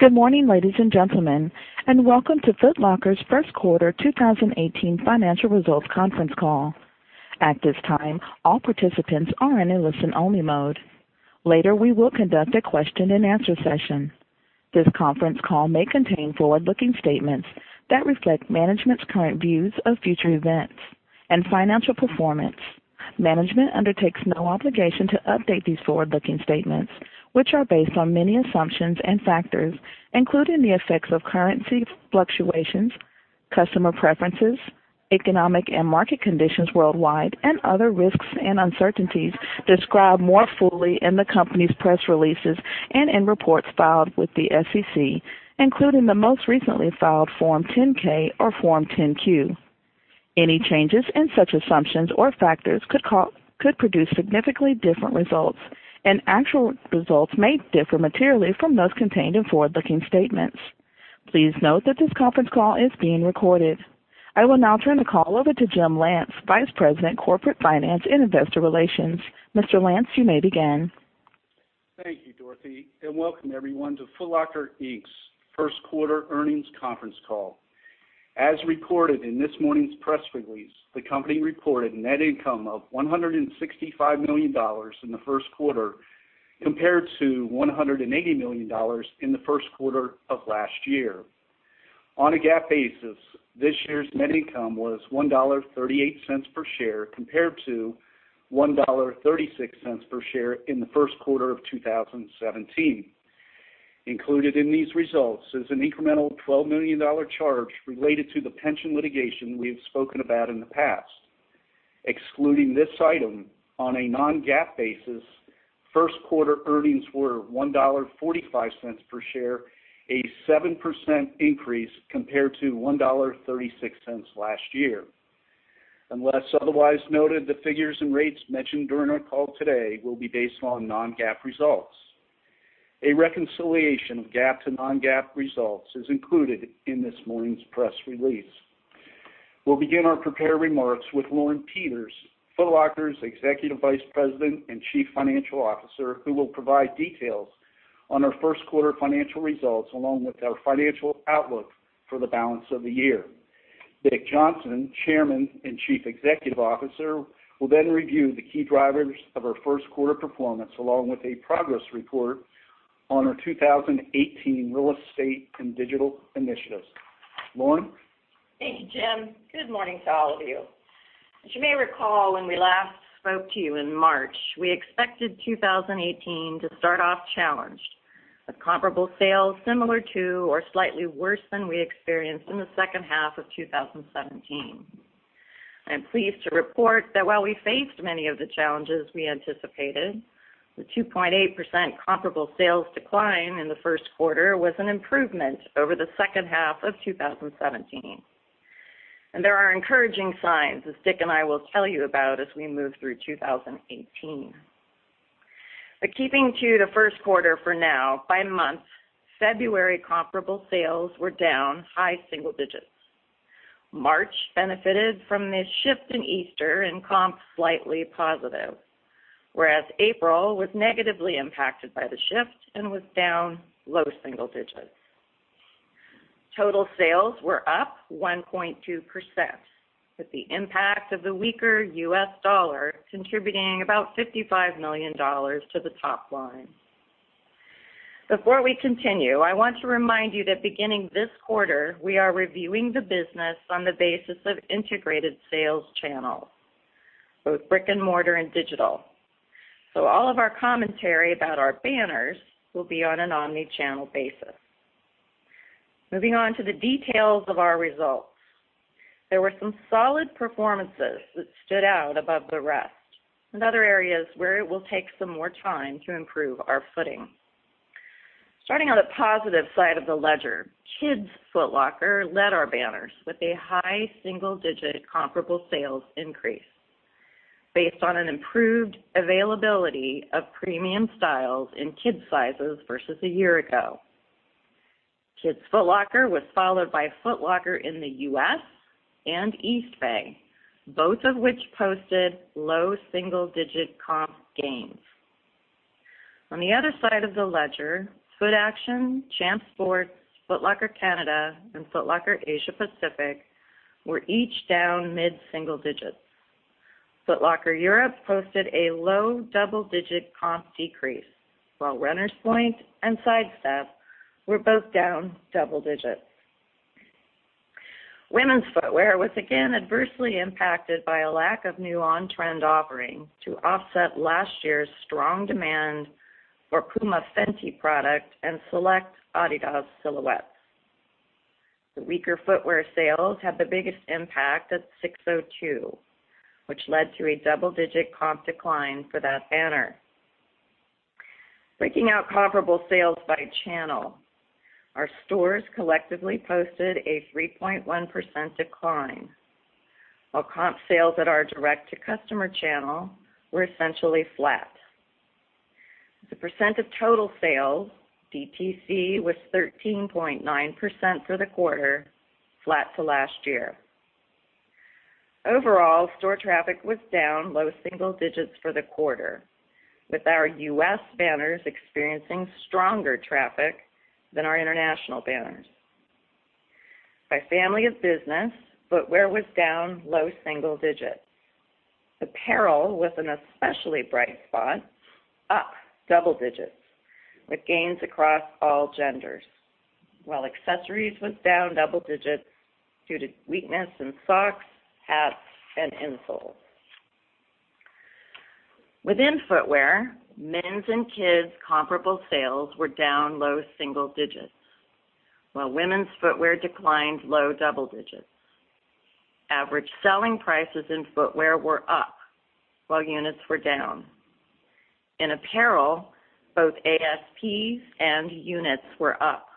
Good morning, ladies and gentlemen, and welcome to Foot Locker's first quarter 2018 financial results conference call. At this time, all participants are in a listen-only mode. Later, we will conduct a question-and-answer session. This conference call may contain forward-looking statements that reflect management's current views of future events and financial performance. Management undertakes no obligation to update these forward-looking statements, which are based on many assumptions and factors, including the effects of currency fluctuations, customer preferences, economic and market conditions worldwide, and other risks and uncertainties described more fully in the company's press releases and in reports filed with the SEC, including the most recently filed Form 10-K or Form 10-Q. Any changes in such assumptions or factors could produce significantly different results, and actual results may differ materially from those contained in forward-looking statements. Please note that this conference call is being recorded. I will now turn the call over to James Lance, Vice President, Corporate Finance and Investor Relations. Mr. Lance, you may begin. Thank you, Dorothy, and welcome everyone to Foot Locker, Inc.'s first quarter earnings conference call. As reported in this morning's press release, the company reported net income of $165 million in the first quarter, compared to $180 million in the first quarter of last year. On a GAAP basis, this year's net income was $1.38 per share, compared to $1.36 per share in the first quarter of 2017. Included in these results is an incremental $12 million charge related to the pension litigation we have spoken about in the past. Excluding this item, on a non-GAAP basis, first quarter earnings were $1.45 per share, a 7% increase compared to $1.36 last year. Unless otherwise noted, the figures and rates mentioned during our call today will be based on non-GAAP results. A reconciliation of GAAP to non-GAAP results is included in this morning's press release. We'll begin our prepared remarks with Lauren Peters, Foot Locker's Executive Vice President and Chief Financial Officer, who will provide details on our first quarter financial results along with our financial outlook for the balance of the year. Richard Johnson, Chairman and Chief Executive Officer, will then review the key drivers of our first quarter performance along with a progress report on our 2018 real estate and digital initiatives. Lauren? Thank you, Jim. Good morning to all of you. As you may recall, when we last spoke to you in March, we expected 2018 to start off challenged, with comparable sales similar to or slightly worse than we experienced in the second half of 2017. I am pleased to report that while we faced many of the challenges we anticipated, the 2.8% comparable sales decline in the first quarter was an improvement over the second half of 2017. There are encouraging signs as Dick and I will tell you about as we move through 2018. Keeping to the first quarter for now, by month, February comparable sales were down high single digits. March benefited from the shift in Easter and comp slightly positive, whereas April was negatively impacted by the shift and was down low single digits. Total sales were up 1.2%, with the impact of the weaker U.S. dollar contributing about $55 million to the top line. Before we continue, I want to remind you that beginning this quarter, we are reviewing the business on the basis of integrated sales channels, both brick and mortar and digital. All of our commentary about our banners will be on an omni-channel basis. Moving on to the details of our results. There were some solid performances that stood out above the rest, and other areas where it will take some more time to improve our footing. Starting on the positive side of the ledger, Kids Foot Locker led our banners with a high single-digit comparable sales increase based on an improved availability of premium styles in kids' sizes versus a year ago. Kids Foot Locker was followed by Foot Locker in the U.S. and Eastbay, both of which posted low single-digit comp gains. On the other side of the ledger, Footaction, Champs Sports, Foot Locker Canada, and Foot Locker Asia Pacific were each down mid-single digits. Foot Locker Europe posted a low double-digit comp decrease, while Runners Point and Sidestep were both down double digits. Women's footwear was again adversely impacted by a lack of new on-trend offerings to offset last year's strong demand for FENTY x PUMA product and select Adidas silhouettes. The weaker footwear sales had the biggest impact at SIX:02, which led to a double-digit comp decline for that banner. Breaking out comparable sales by channel. Our stores collectively posted a 3.1% decline, while comp sales at our direct-to-customer channel were essentially flat. As a percent of total sales, DTC was 13.9% for the quarter, flat to last year. Overall, store traffic was down low single digits for the quarter, with our U.S. banners experiencing stronger traffic than our international banners. By family of business, footwear was down low single digits. Apparel was an especially bright spot, up double digits, with gains across all genders, while accessories was down double digits due to weakness in socks, hats, and insoles. Within footwear, men's and kids' comparable sales were down low single digits, while women's footwear declined low double digits. Average selling prices in footwear were up while units were down. In apparel, both ASPs and units were up,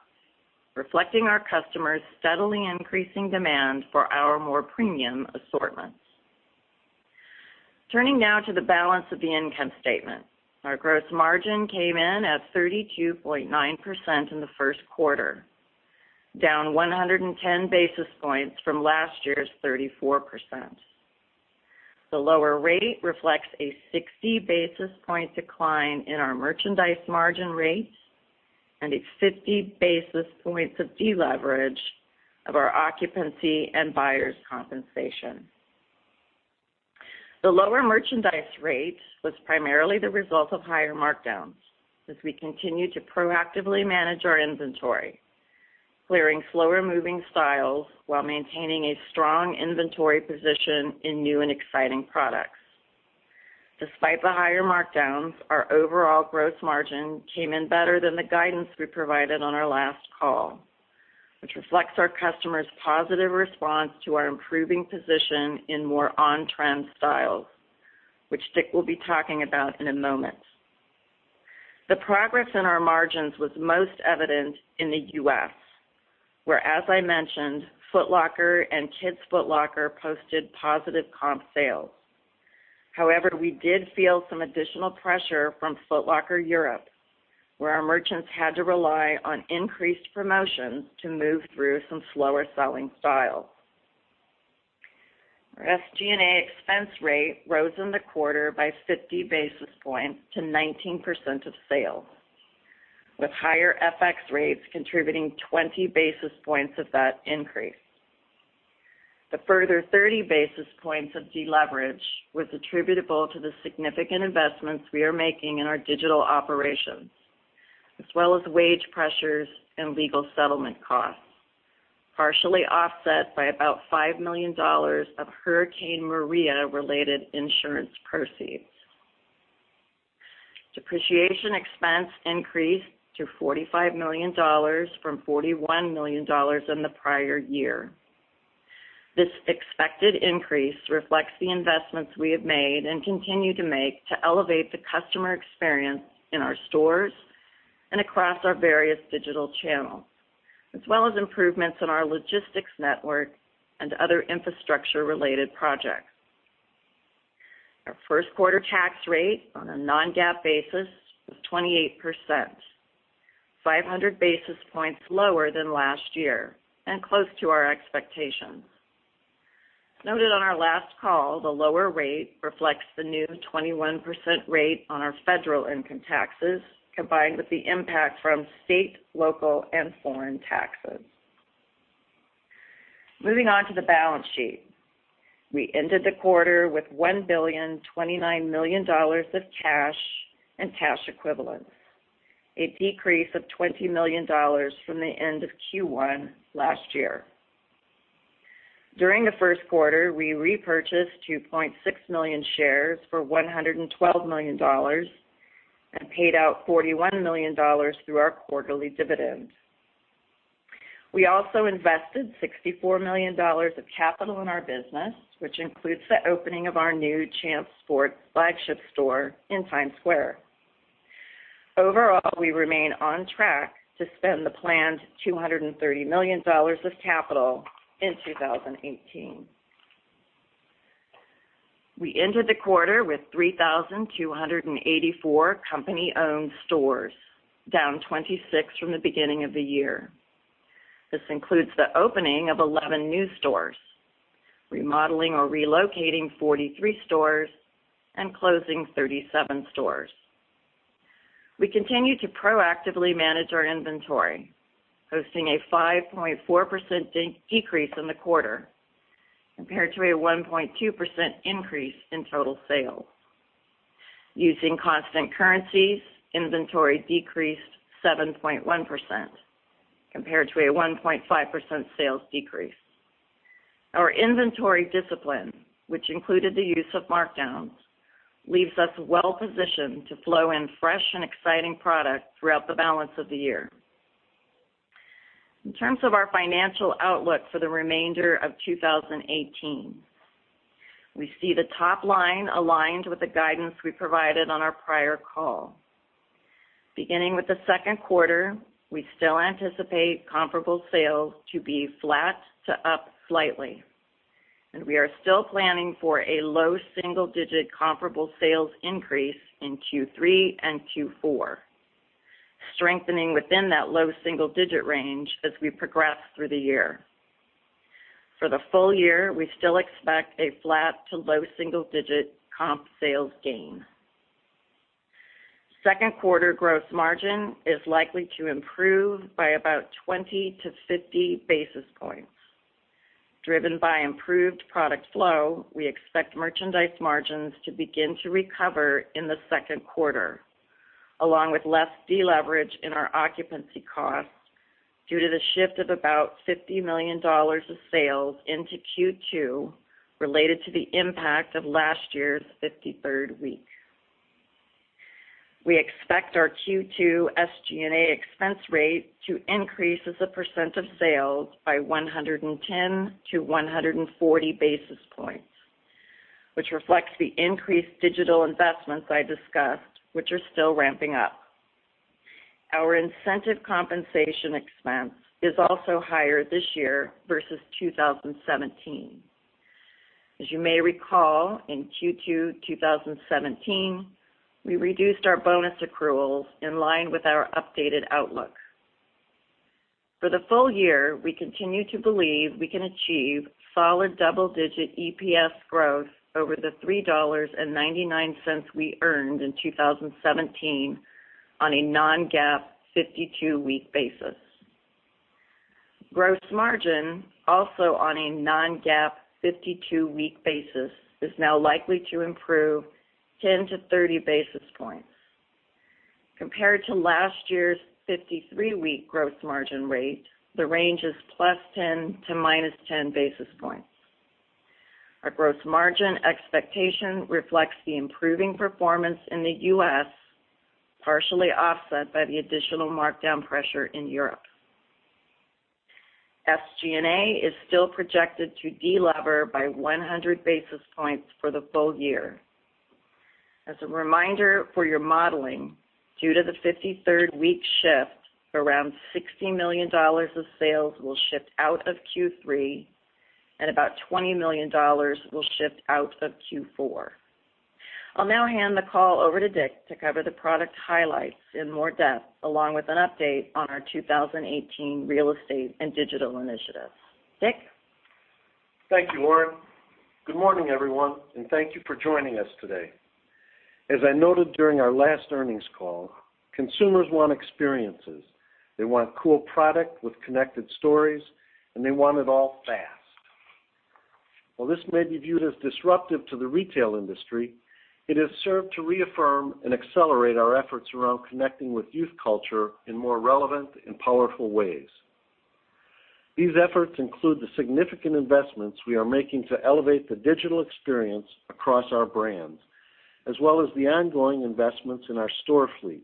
reflecting our customers' steadily increasing demand for our more premium assortments. Turning now to the balance of the income statement. Our gross margin came in at 32.9% in the first quarter, down 110 basis points from last year's 34%. The lower rate reflects a 60 basis points decline in our merchandise margin rates and a 50 basis points of deleverage of our occupancy and buyers' compensation. The lower merchandise rate was primarily the result of higher markdowns as we continue to proactively manage our inventory, clearing slower-moving styles while maintaining a strong inventory position in new and exciting products. Despite the higher markdowns, our overall gross margin came in better than the guidance we provided on our last call, which reflects our customers' positive response to our improving position in more on-trend styles, which Dick will be talking about in a moment. The progress in our margins was most evident in the U.S., where, as I mentioned, Foot Locker and Kids Foot Locker posted positive comp sales. We did feel some additional pressure from Foot Locker Europe, where our merchants had to rely on increased promotions to move through some slower-selling styles. Our SG&A expense rate rose in the quarter by 50 basis points to 19% of sales, with higher FX rates contributing 20 basis points of that increase. The further 30 basis points of deleverage was attributable to the significant investments we are making in our digital operations, as well as wage pressures and legal settlement costs, partially offset by about $5 million of Hurricane Maria-related insurance proceeds. Depreciation expense increased to $45 million from $41 million in the prior year. This expected increase reflects the investments we have made and continue to make to elevate the customer experience in our stores and across our various digital channels, as well as improvements in our logistics network and other infrastructure-related projects. Our first quarter tax rate on a non-GAAP basis was 28%, 500 basis points lower than last year and close to our expectations. Noted on our last call, the lower rate reflects the new 21% rate on our federal income taxes, combined with the impact from state, local, and foreign taxes. Moving on to the balance sheet. We ended the quarter with $1.029 billion of cash and cash equivalents, a decrease of $20 million from the end of Q1 last year. During the first quarter, we repurchased 2.6 million shares for $112 million and paid out $41 million through our quarterly dividends. We also invested $64 million of capital in our business, which includes the opening of our new Champs Sports flagship store in Times Square. Overall, we remain on track to spend the planned $230 million of capital in 2018. We ended the quarter with 3,284 company-owned stores, down 26 from the beginning of the year. This includes the opening of 11 new stores, remodeling or relocating 43 stores, and closing 37 stores. We continue to proactively manage our inventory, posting a 5.4% decrease in the quarter compared to a 1.2% increase in total sales. Using constant currencies, inventory decreased 7.1%, compared to a 1.5% sales decrease. Our inventory discipline, which included the use of markdowns, leaves us well positioned to flow in fresh and exciting product throughout the balance of the year. In terms of our financial outlook for the remainder of 2018, we see the top line aligned with the guidance we provided on our prior call. Beginning with the second quarter, we still anticipate comparable sales to be flat to up slightly, we are still planning for a low single-digit comparable sales increase in Q3 and Q4. Strengthening within that low single-digit range as we progress through the year. For the full year, we still expect a flat to low single-digit comp sales gain. Second quarter gross margin is likely to improve by about 20 to 50 basis points. Driven by improved product flow, we expect merchandise margins to begin to recover in the second quarter, along with less deleverage in our occupancy costs due to the shift of about $50 million of sales into Q2 related to the impact of last year's 53rd week. We expect our Q2 SG&A expense rate to increase as a percent of sales by 110 to 140 basis points, which reflects the increased digital investments I discussed, which are still ramping up. Our incentive compensation expense is also higher this year versus 2017. As you may recall, in Q2 2017, we reduced our bonus accruals in line with our updated outlook. For the full year, we continue to believe we can achieve solid double-digit EPS growth over the $3.99 we earned in 2017 on a non-GAAP 52-week basis. Gross margin, also on a non-GAAP 52-week basis, is now likely to improve 10 to 30 basis points. Compared to last year's 53-week gross margin rate, the range is +10 to -10 basis points. Our gross margin expectation reflects the improving performance in the U.S., partially offset by the additional markdown pressure in Europe. SG&A is still projected to delever by 100 basis points for the full year. As a reminder for your modeling, due to the 53rd week shift, around $60 million of sales will shift out of Q3 and about $20 million will shift out of Q4. I'll now hand the call over to Dick to cover the product highlights in more depth, along with an update on our 2018 real estate and digital initiatives. Dick? Thank you, Lauren. Good morning, everyone, thank you for joining us today. As I noted during our last earnings call, consumers want experiences. They want cool product with connected stories, they want it all fast. While this may be viewed as disruptive to the retail industry, it has served to reaffirm and accelerate our efforts around connecting with youth culture in more relevant and powerful ways. These efforts include the significant investments we are making to elevate the digital experience across our brands, as well as the ongoing investments in our store fleet,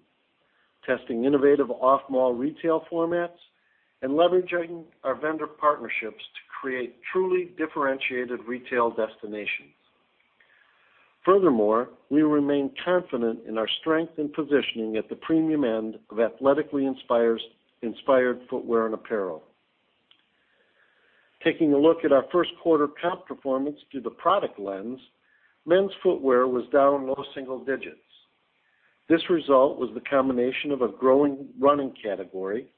testing innovative off-mall retail formats, and leveraging our vendor partnerships to create truly differentiated retail destinations. Furthermore, we remain confident in our strength and positioning at the premium end of athletically inspired footwear and apparel. Taking a look at our first quarter comp performance through the product lens, men's footwear was down low single digits. This result was the combination of a growing running category,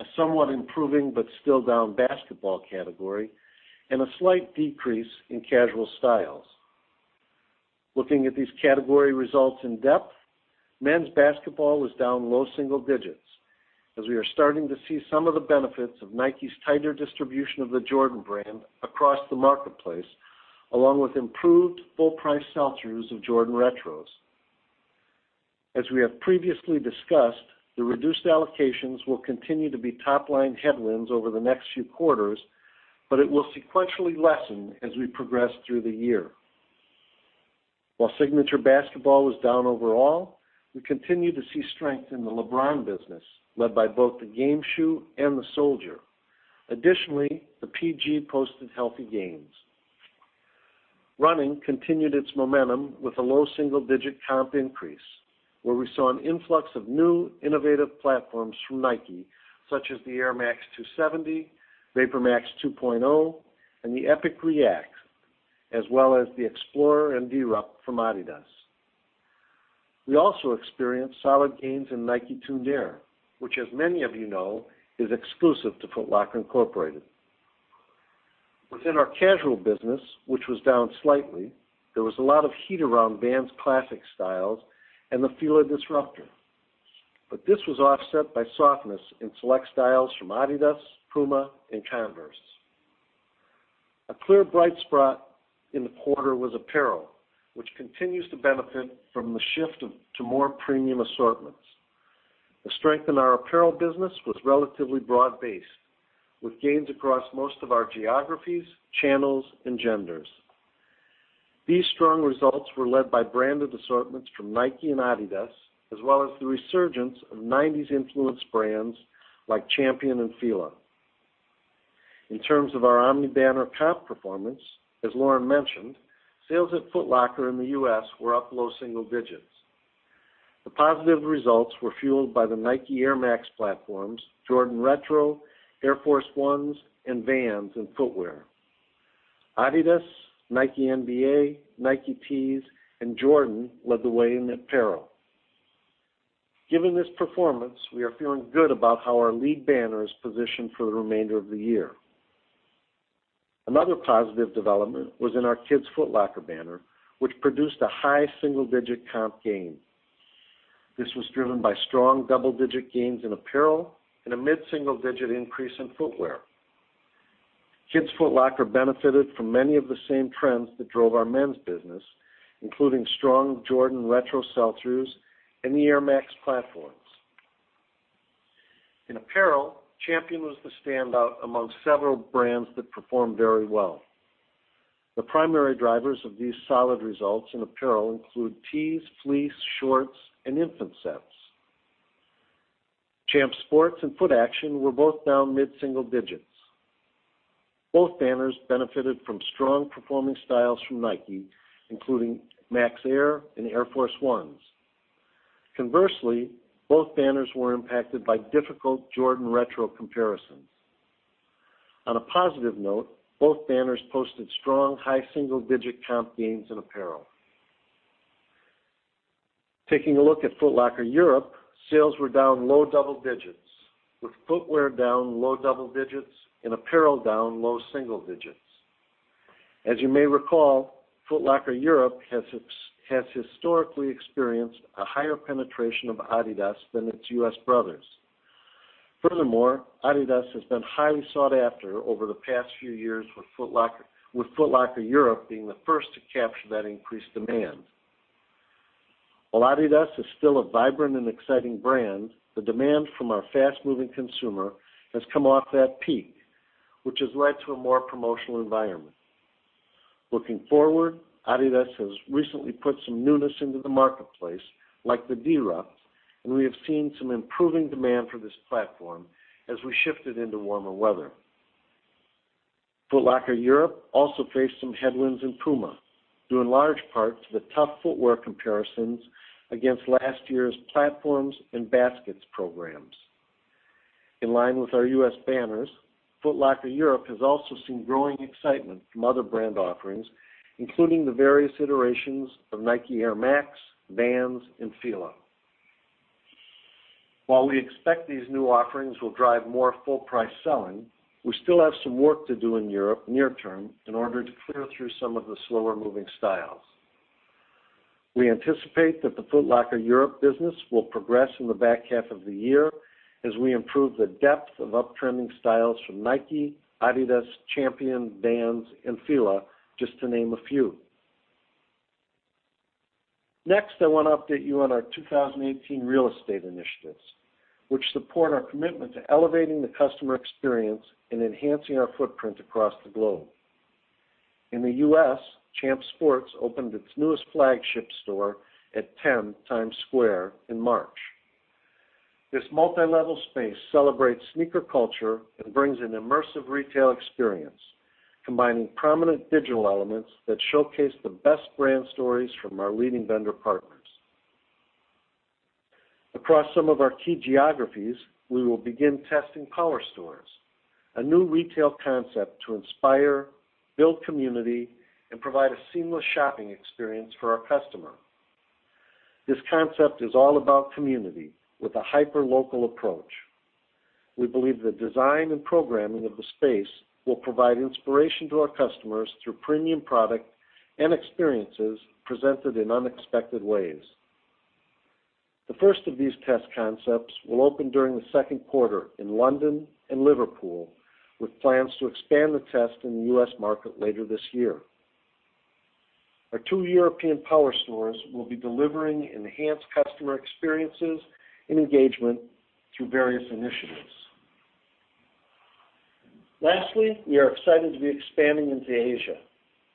a somewhat improving but still down basketball category, and a slight decrease in casual styles. Looking at these category results in depth, men's basketball was down low single digits as we are starting to see some of the benefits of Nike's tighter distribution of the Jordan brand across the marketplace, along with improved full price sell-throughs of Jordan Retros. As we have previously discussed, the reduced allocations will continue to be top-line headwinds over the next few quarters, but it will sequentially lessen as we progress through the year. While signature basketball was down overall, we continue to see strength in the LeBron business, led by both the game shoe and the Soldier. Additionally, the PG posted healthy gains. Running continued its momentum with a low single-digit comp increase, where we saw an influx of new innovative platforms from Nike, such as the Air Max 270, VaporMax 2.0, and the Epic React, as well as the Explorer and Deerupt from Adidas. We also experienced solid gains in Nike Tuned Air, which as many of you know, is exclusive to Foot Locker Incorporated. Within our casual business, which was down slightly, there was a lot of heat around Vans classic styles and the Fila Disruptor. This was offset by softness in select styles from Adidas, Puma, and Converse. A clear bright spot in the quarter was apparel, which continues to benefit from the shift to more premium assortments. The strength in our apparel business was relatively broad-based, with gains across most of our geographies, channels, and genders. These strong results were led by branded assortments from Nike and Adidas, as well as the resurgence of '90s influence brands like Champion and Fila. In terms of our omni-banner comp performance, as Lauren mentioned, sales at Foot Locker in the U.S. were up low single digits. The positive results were fueled by the Nike Air Max platforms, Jordan Retro, Air Force 1s, and Vans and footwear. Adidas, Nike NBA, Nike tees, and Jordan led the way in apparel. Given this performance, we are feeling good about how our lead banner is positioned for the remainder of the year. Another positive development was in our Kids Foot Locker banner, which produced a high single-digit comp gain. This was driven by strong double-digit gains in apparel and a mid-single-digit increase in footwear. Kids Foot Locker benefited from many of the same trends that drove our men's business, including strong Jordan Retro sell-throughs and the Air Max platforms. In apparel, Champion was the standout among several brands that performed very well. The primary drivers of these solid results in apparel include tees, fleece, shorts, and infant sets. Champs Sports and Footaction were both down mid-single digits. Both banners benefited from strong performing styles from Nike, including Air Max and Air Force 1s. Conversely, both banners were impacted by difficult Jordan Retro comparisons. On a positive note, both banners posted strong high single-digit comp gains in apparel. Taking a look at Foot Locker Europe, sales were down low double digits, with footwear down low double digits and apparel down low single digits. As you may recall, Foot Locker Europe has historically experienced a higher penetration of Adidas than its U.S. brothers. Furthermore, Adidas has been highly sought after over the past few years, with Foot Locker Europe being the first to capture that increased demand. While Adidas is still a vibrant and exciting brand, the demand from our fast-moving consumer has come off that peak, which has led to a more promotional environment. Looking forward, Adidas has recently put some newness into the marketplace, like the Deerupt, and we have seen some improving demand for this platform as we shifted into warmer weather. Foot Locker Europe also faced some headwinds in Puma, due in large part to the tough footwear comparisons against last year's platforms and baskets programs. In line with our U.S. banners, Foot Locker Europe has also seen growing excitement from other brand offerings, including the various iterations of Nike Air Max, Vans, and Fila. While we expect these new offerings will drive more full price selling, we still have some work to do in Europe near term in order to clear through some of the slower-moving styles. We anticipate that the Foot Locker Europe business will progress in the back half of the year as we improve the depth of uptrending styles from Nike, Adidas, Champion, Vans, and Fila, just to name a few. Next, I want to update you on our 2018 real estate initiatives, which support our commitment to elevating the customer experience and enhancing our footprint across the globe. In the U.S., Champs Sports opened its newest flagship store at 10 Times Square in March. This multi-level space celebrates sneaker culture and brings an immersive retail experience, combining prominent digital elements that showcase the best brand stories from our leading vendor partners. Across some of our key geographies, we will begin testing Power Stores, a new retail concept to inspire, build community, and provide a seamless shopping experience for our customer. This concept is all about community with a hyperlocal approach. We believe the design and programming of the space will provide inspiration to our customers through premium product and experiences presented in unexpected ways. The first of these test concepts will open during the second quarter in London and Liverpool, with plans to expand the test in the U.S. market later this year. Our two European Power Stores will be delivering enhanced customer experiences and engagement through various initiatives. Lastly, we are excited to be expanding into Asia.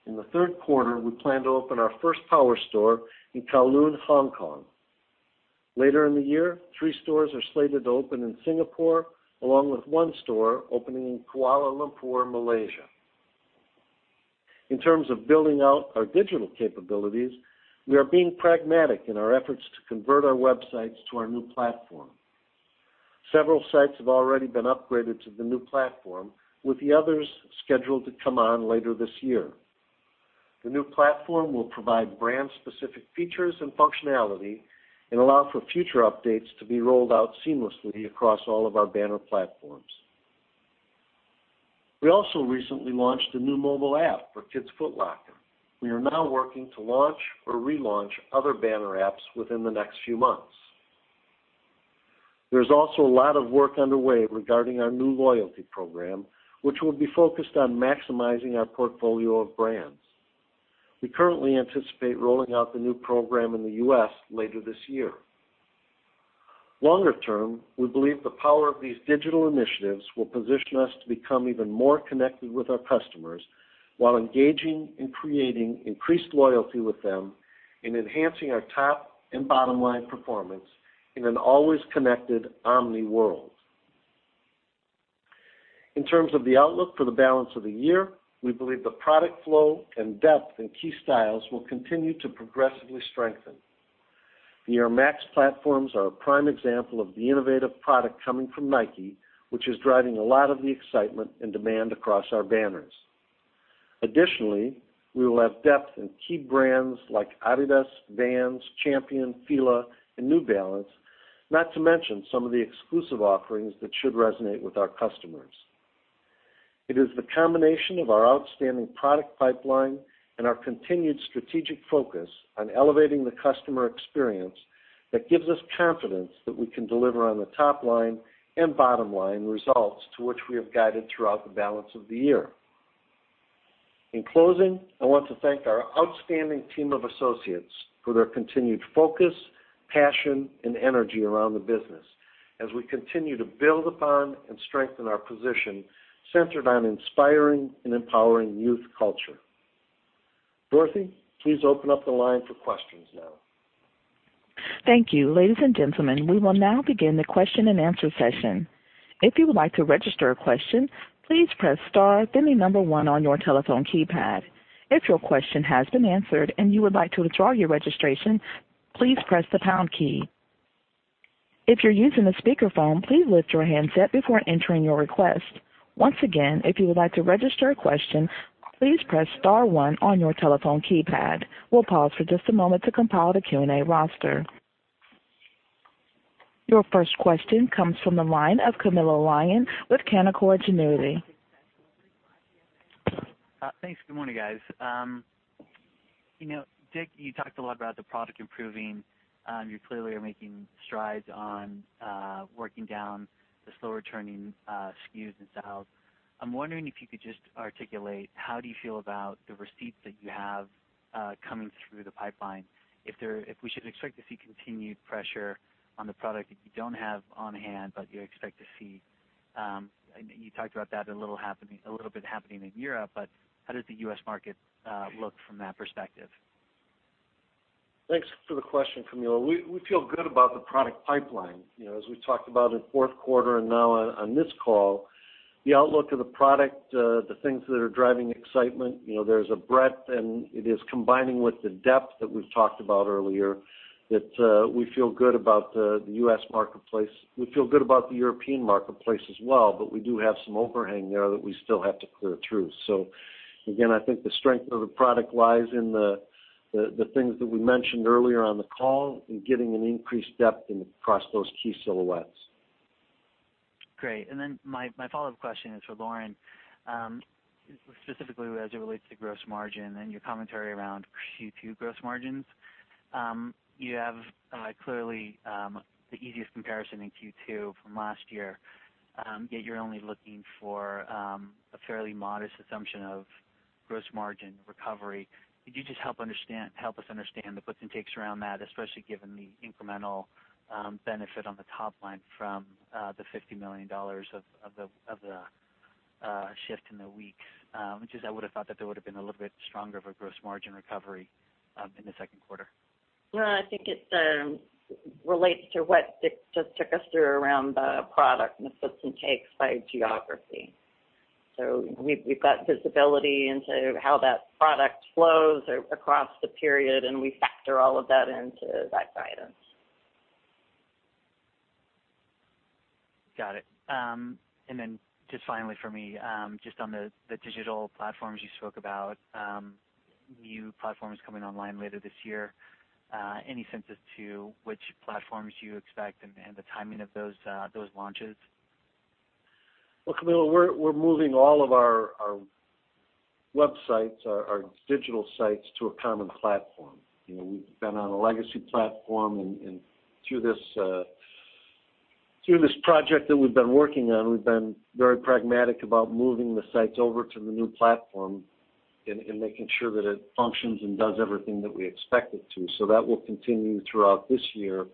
In the third quarter, we plan to open our first Power Store in Kowloon, Hong Kong. Later in the year, three stores are slated to open in Singapore, along with one store opening in Kuala Lumpur, Malaysia. In terms of building out our digital capabilities, we are being pragmatic in our efforts to convert our websites to our new platform. Several sites have already been upgraded to the new platform, with the others scheduled to come on later this year. The new platform will provide brand-specific features and functionality and allow for future updates to be rolled out seamlessly across all of our banner platforms. We also recently launched a new mobile app for Kids Foot Locker. We are now working to launch or relaunch other banner apps within the next few months. There is also a lot of work underway regarding our new loyalty program, which will be focused on maximizing our portfolio of brands. We currently anticipate rolling out the new program in the U.S. later this year. Longer term, we believe the power of these digital initiatives will position us to become even more connected with our customers while engaging and creating increased loyalty with them and enhancing our top and bottom line performance in an always connected omni world. In terms of the outlook for the balance of the year, we believe the product flow and depth in key styles will continue to progressively strengthen. The Air Max platforms are a prime example of the innovative product coming from Nike, which is driving a lot of the excitement and demand across our banners. Additionally, we will have depth in key brands like Adidas, Vans, Champion, Fila, and New Balance, not to mention some of the exclusive offerings that should resonate with our customers. It is the combination of our outstanding product pipeline and our continued strategic focus on elevating the customer experience that gives us confidence that we can deliver on the top line and bottom line results to which we have guided throughout the balance of the year. In closing, I want to thank our outstanding team of associates for their continued focus, passion, and energy around the business as we continue to build upon and strengthen our position centered on inspiring and empowering youth culture. Dorothy, please open up the line for questions now. Thank you. Ladies and gentlemen, we will now begin the question-and-answer session. If you would like to register a question, please press star, then the number one on your telephone keypad. If your question has been answered and you would like to withdraw your registration, please press the pound key. If you're using a speakerphone, please lift your handset before entering your request. Once again, if you would like to register a question, please press star one on your telephone keypad. We'll pause for just a moment to compile the Q&A roster. Your first question comes from the line of Camilo Lyon with Canaccord Genuity. Thanks. Good morning, guys. Dick, you talked a lot about the product improving. You clearly are making strides on working down the slower turning SKUs and sales. I'm wondering if you could just articulate how you feel about the receipts that you have coming through the pipeline. If we should expect to see continued pressure on the product that you don't have on hand, but you expect to see. You talked about that a little bit happening in Europe, but how does the U.S. market look from that perspective? Thanks for the question, Camilo. We feel good about the product pipeline. As we talked about in the fourth quarter and now on this call, the outlook of the product, the things that are driving excitement, there's a breadth, and it is combining with the depth that we've talked about earlier that we feel good about the U.S. marketplace. We feel good about the European marketplace as well, but we do have some overhang there that we still have to clear through. Again, I think the strength of the product lies in the things that we mentioned earlier on the call in getting an increased depth across those key silhouettes. Great. My follow-up question is for Lauren, specifically as it relates to gross margin and your commentary around Q2 gross margins. You have clearly the easiest comparison in Q2 from last year. Yet you're only looking for a fairly modest assumption of gross margin recovery. Could you just help us understand the puts and takes around that, especially given the incremental benefit on the top line from the $50 million of the shift in the week, which is I would've thought that there would've been a little bit stronger of a gross margin recovery in the second quarter. Well, I think it relates to what Dick just took us through around the product and the puts and takes by geography. We've got visibility into how that product flows across the period, and we factor all of that into that guidance. Got it. Just finally for me, just on the digital platforms you spoke about, new platforms coming online later this year. Any senses to which platforms you expect and the timing of those launches? Well, Camilo, we're moving all of our websites, our digital sites, to a common platform. We've been on a legacy platform, and through this project that we've been working on, we've been very pragmatic about moving the sites over to the new platform and making sure that it functions and does everything that we expect it to. That will continue throughout this year.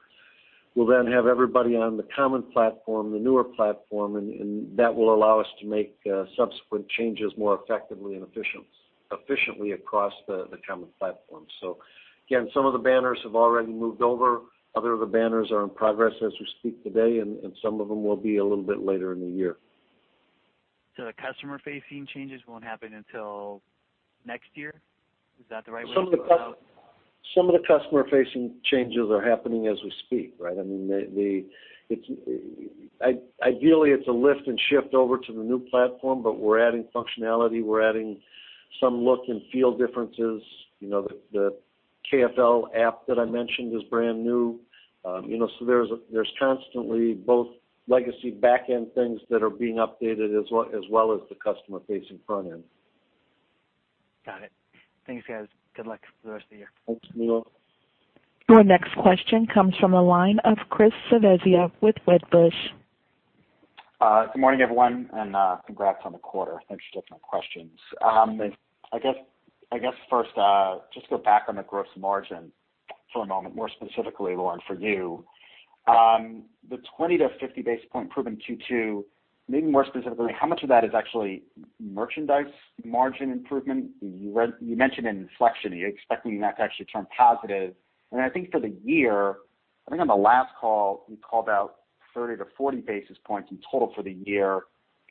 We'll have everybody on the common platform, the newer platform, and that will allow us to make subsequent changes more effectively and efficiently across the common platform. Again, some of the banners have already moved over. Other of the banners are in progress as we speak today, and some of them will be a little bit later in the year. The customer-facing changes won't happen until next year. Is that the right way to think about it? Some of the customer-facing changes are happening as we speak, right? Ideally, it's a lift and shift over to the new platform, but we're adding functionality. We're adding some look and feel differences. The KFL app that I mentioned is brand new. There's constantly both legacy back-end things that are being updated as well as the customer-facing front end. Got it. Thanks, guys. Good luck for the rest of the year. Thanks, Camilo. Your next question comes from the line of Chris Svezia with Wedbush. Good morning, everyone, and congrats on the quarter. Thanks for taking my questions. I guess first, just go back on the gross margin for a moment, more specifically, Lauren, for you. The 20-50 basis point improvement in Q2, maybe more specifically, how much of that is actually merchandise margin improvement? You mentioned an inflection. Are you expecting that to actually turn positive? Then I think for the year I think on the last call, you called out 30-40 basis points in total for the year.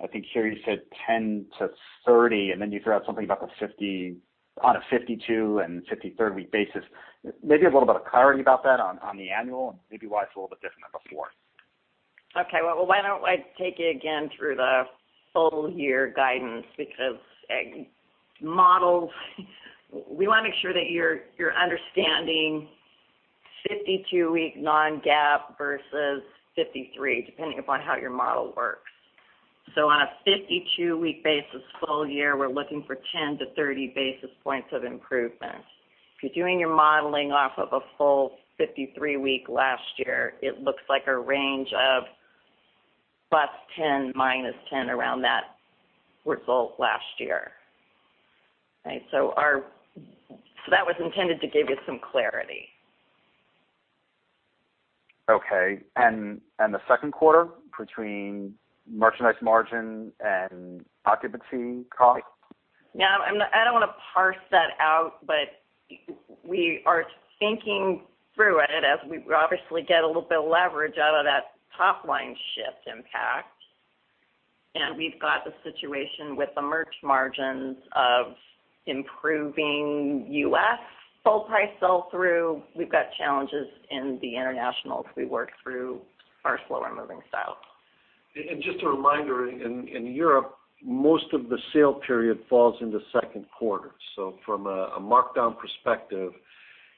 I think here you said 10-30, and then you threw out something about on a 52- and 53-week basis. Maybe a little bit of clarity about that on the annual, and maybe why it's a little bit different than before. Okay. Well, why don't I take you again through the full year guidance because we want to make sure that you're understanding 52-week non-GAAP versus 53, depending upon how your model works. On a 52-week basis full year, we're looking for 10-30 basis points of improvement. If you're doing your modeling off of a full 53-week last year, it looks like a range of +10, -10 around that result last year. Right? That was intended to give you some clarity. Okay. The second quarter between merchandise margin and occupancy costs? No, I don't want to parse that out, but we are thinking through it as we obviously get a little bit of leverage out of that top-line shift impact. We've got the situation with the merch margins of improving U.S. full price sell-through. We've got challenges in the internationals as we work through our slower moving styles. Just a reminder, in Europe, most of the sale period falls into second quarter. From a markdown perspective,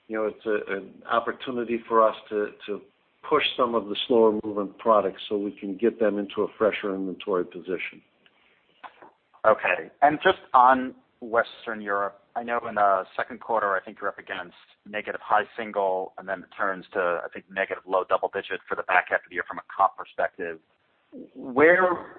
it's an opportunity for us to push some of the slower moving products so we can get them into a fresher inventory position. Okay. Just on Western Europe, I know in the second quarter, I think you're up against negative high single, then it turns to, I think, negative low double digit for the back half of the year from a comp perspective. Where,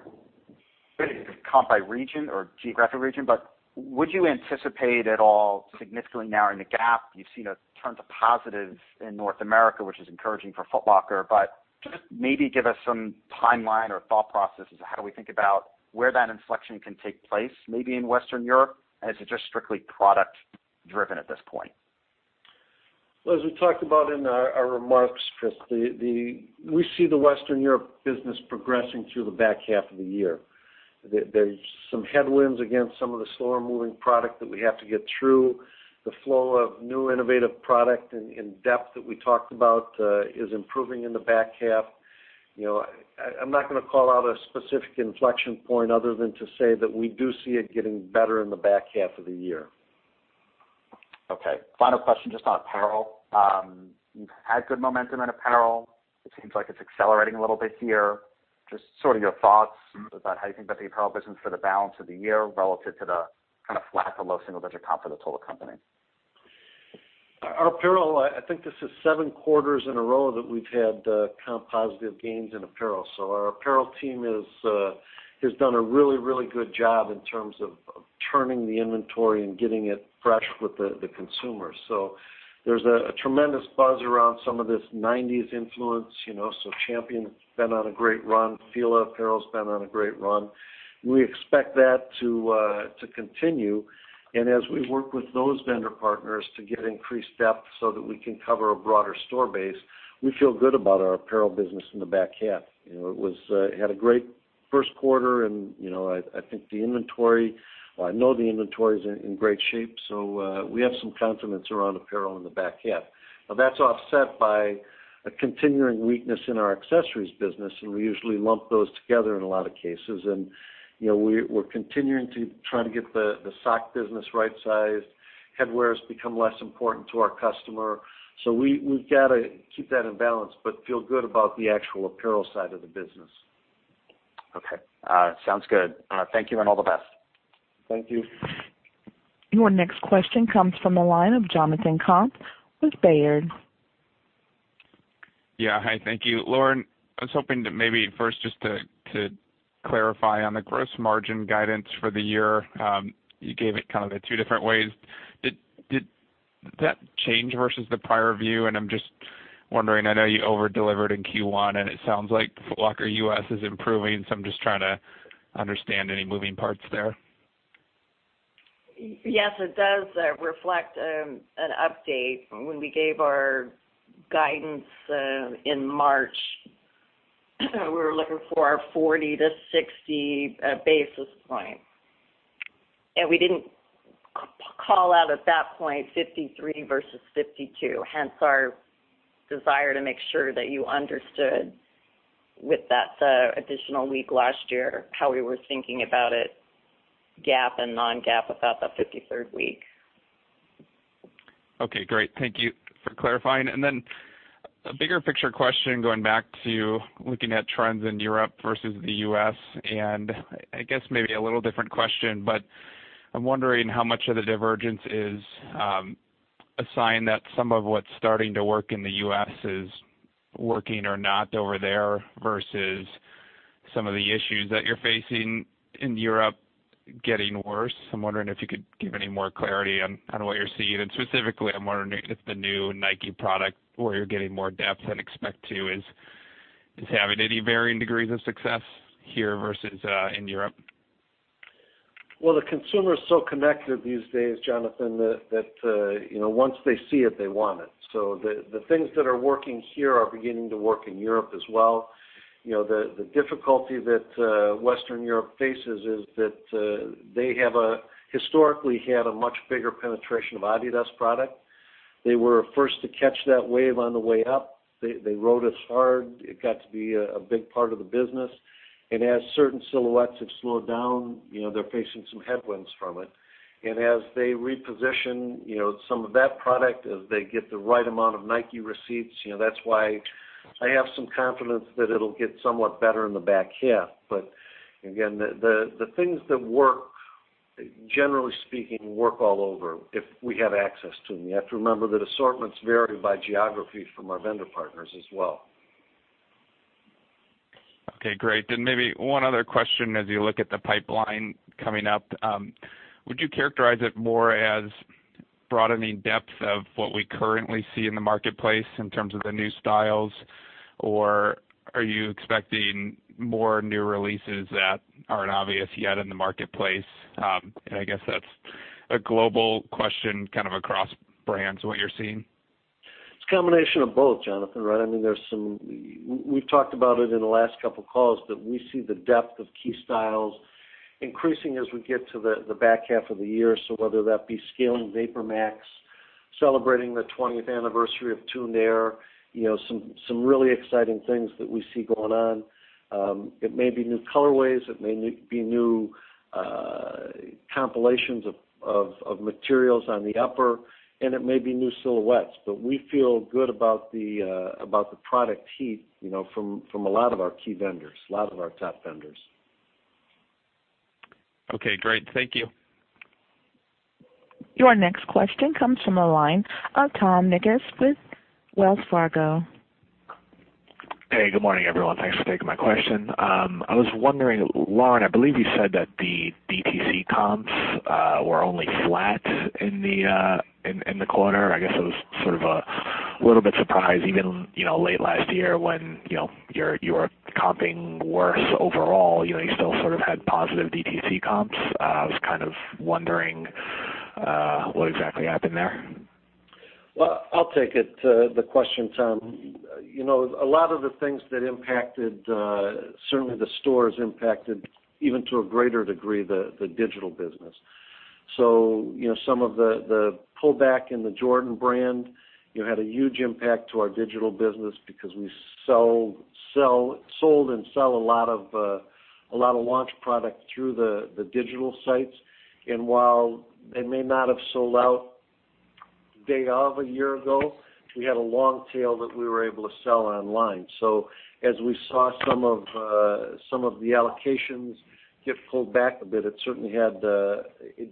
comp by region or geographic region, but would you anticipate at all significantly narrowing the gap? You've seen it turn to positive in North America, which is encouraging for Foot Locker, but just maybe give us some timeline or thought process as to how do we think about where that inflection can take place, maybe in Western Europe. Is it just strictly product driven at this point? Well, as we talked about in our remarks, Chris, we see the Western Europe business progressing through the back half of the year. There are some headwinds against some of the slower moving product that we have to get through. The flow of new innovative product and depth that we talked about, is improving in the back half. I am not going to call out a specific inflection point other than to say that we do see it getting better in the back half of the year. Okay. Final question, just on apparel. You have had good momentum in apparel. It seems like it is accelerating a little bit here. Just sort of your thoughts about how you think about the apparel business for the balance of the year relative to the flat to low single digit comp for the total company. Our apparel, I think this is seven quarters in a row that we have had comp positive gains in apparel. Our apparel team has done a really good job in terms of turning the inventory and getting it fresh with the consumer. There is a tremendous buzz around some of this nineties influence. Champion has been on a great run. Fila apparel has been on a great run. We expect that to continue, and as we work with those vendor partners to get increased depth so that we can cover a broader store base, we feel good about our apparel business in the back half. It had a great first quarter and I know the inventory is in great shape, so, we have some confidence around apparel in the back half. Now that is offset by a continuing weakness in our accessories business, and we usually lump those together in a lot of cases. We are continuing to try to get the sock business right sized. Headwear has become less important to our customer. We have got to keep that in balance, but feel good about the actual apparel side of the business. Okay. Sounds good. Thank you, and all the best. Thank you. Your next question comes from the line of Jonathan Komp with Baird. Yeah. Hi, thank you. Lauren, I was hoping to maybe first just to clarify on the gross margin guidance for the year. You gave it the two different ways. Did that change versus the prior view? I'm just wondering, I know you over-delivered in Q1, and it sounds like Foot Locker U.S. is improving, so I'm just trying to understand any moving parts there. Yes, it does reflect an update. When we gave our guidance in March, we were looking for our 40-60 basis points. We didn't call out at that point 53 versus 52, hence our desire to make sure that you understood with that additional week last year, how we were thinking about it, GAAP and non-GAAP, about that fifty-third week. Okay, great. Thank you for clarifying. Then a bigger picture question, going back to looking at trends in Europe versus the U.S., and I guess maybe a little different question, but I'm wondering how much of the divergence is a sign that some of what's starting to work in the U.S. is working or not over there, versus some of the issues that you're facing in Europe getting worse. I'm wondering if you could give any more clarity on what you're seeing. Specifically, I'm wondering if the new Nike product, where you're getting more depth than expected to, is having any varying degrees of success here versus in Europe. Well, the consumer is so connected these days, Jonathan, that once they see it, they want it. The things that are working here are beginning to work in Europe as well. The difficulty that Western Europe faces is that they historically had a much bigger penetration of Adidas product. They were first to catch that wave on the way up. They rode us hard. It got to be a big part of the business. As certain silhouettes have slowed down, they're facing some headwinds from it. As they reposition some of that product, as they get the right amount of Nike receipts, that's why I have some confidence that it'll get somewhat better in the back half. Again, the things that work, generally speaking, work all over if we have access to them. You have to remember that assortments vary by geography from our vendor partners as well. Okay, great. Maybe one other question, as you look at the pipeline coming up. Would you characterize it more as broadening depth of what we currently see in the marketplace in terms of the new styles, or are you expecting more new releases that aren't obvious yet in the marketplace? I guess that's a global question, kind of across brands, what you're seeing. It's a combination of both, Jonathan, right? We've talked about it in the last couple of calls, we see the depth of key styles increasing as we get to the back half of the year. Whether that be scaling VaporMax, celebrating the 20th anniversary of Tuned Air, some really exciting things that we see going on. It may be new colorways, it may be new compilations of materials on the upper, it may be new silhouettes. We feel good about the product heat from a lot of our key vendors, a lot of our top vendors. Okay, great. Thank you. Your next question comes from the line of Tom Nikic with Wells Fargo. Hey, good morning, everyone. Thanks for taking my question. I was wondering, Lauren, I believe you said that the DTC comps were only flat in the quarter. I guess I was sort of a little bit surprised even late last year when you were comping worse overall, you still sort of had positive DTC comps. I was kind of wondering what exactly happened there. Well, I'll take it, the question, Tom. A lot of the things that impacted certainly the stores impacted even to a greater degree the digital business. Some of the pullback in the Jordan brand had a huge impact to our digital business because we sold and sell a lot of launch product through the digital sites. While they may not have sold out day of a year ago, we had a long tail that we were able to sell online. As we saw some of the allocations get pulled back a bit, it certainly had a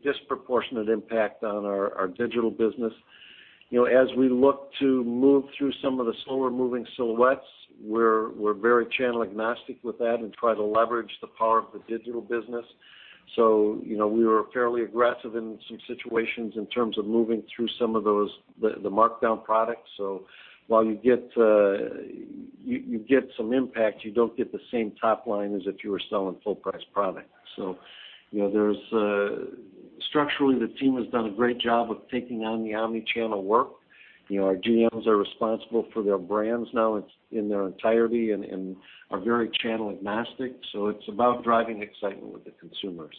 disproportionate impact on our digital business. As we look to move through some of the slower-moving silhouettes, we're very channel-agnostic with that and try to leverage the power of the digital business. We were fairly aggressive in some situations in terms of moving through some of the markdown products. While you get some impact, you don't get the same top line as if you were selling full price product. Structurally, the team has done a great job of taking on the omni-channel work. Our GMs are responsible for their brands now in their entirety and are very channel-agnostic. It's about driving excitement with the consumers.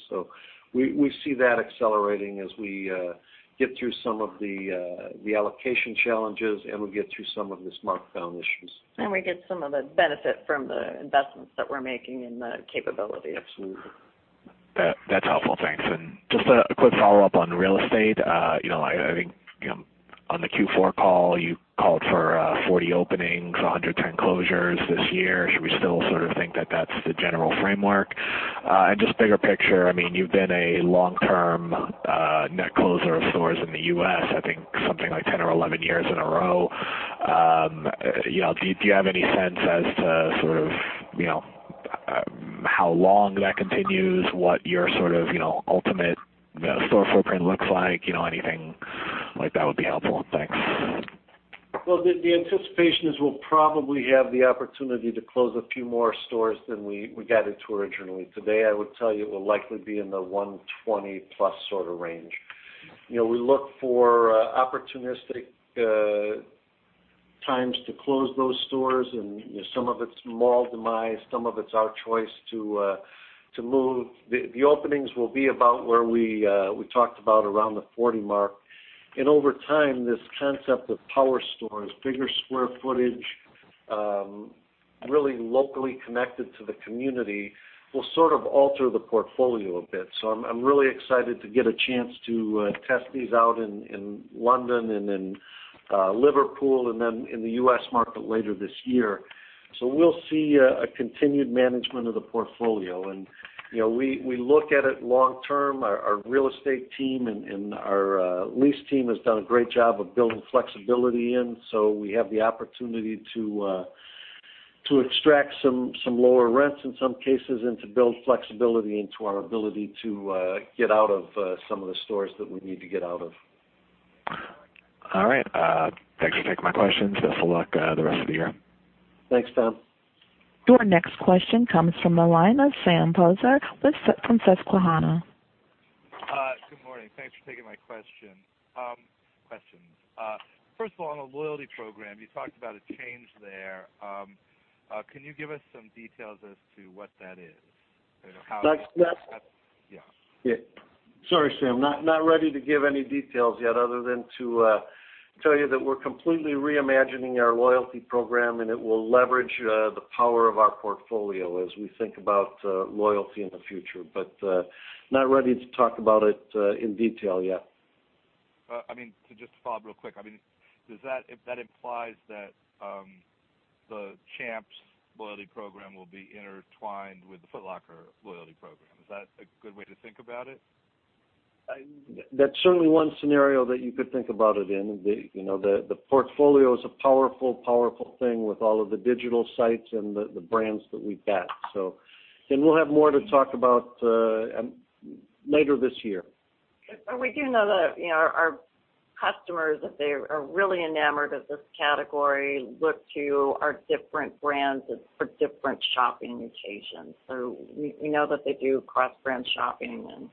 We see that accelerating as we get through some of the allocation challenges and we get through some of these markdown issues. We get some of the benefit from the investments that we're making in the capability. Absolutely. That's helpful. Thanks. Just a quick follow-up on real estate. I think on the Q4 call, you called for 40 openings, 110 closures this year. Should we still sort of think that that's the general framework? Just bigger picture, you've been a long-term net closer of stores in the U.S., I think something like 10 or 11 years in a row. Do you have any sense as to sort of how long that continues, what your sort of ultimate store footprint looks like? Anything like that would be helpful. Thanks. Well, the anticipation is we'll probably have the opportunity to close a few more stores than we guided to originally. Today, I would tell you it will likely be in the 120 plus sort of range. We look for opportunistic times to close those stores, some of it's mall demise, some of it's our choice to move. The openings will be about where we talked about around the 40 mark. Over time, this concept of Power Stores, bigger square footage, really locally connected to the community will sort of alter the portfolio a bit. I'm really excited to get a chance to test these out in London and in Liverpool and then in the U.S. market later this year. We'll see a continued management of the portfolio. We look at it long term. Our real estate team and our lease team has done a great job of building flexibility in, we have the opportunity to extract some lower rents in some cases to build flexibility into our ability to get out of some of the stores that we need to get out of. All right. Thanks for taking my questions. Best of luck the rest of the year. Thanks, Tom. Your next question comes from the line of Sam Poser from Susquehanna. Good morning. Thanks for taking my question. First of all, on the loyalty program, you talked about a change there. Can you give us some details as to what that is? That's- Yeah. Yeah. Sorry, Sam, not ready to give any details yet other than to tell you that we're completely reimagining our loyalty program, and it will leverage the power of our portfolio as we think about loyalty in the future. Not ready to talk about it in detail yet. To just follow up real quick. If that implies that the Champs loyalty program will be intertwined with the Foot Locker loyalty program. Is that a good way to think about it? That's certainly one scenario that you could think about it in. The portfolio is a powerful thing with all of the digital sites and the brands that we've got. We'll have more to talk about later this year. We do know that our customers, if they are really enamored of this category, look to our different brands for different shopping occasions. We know that they do cross-brand shopping,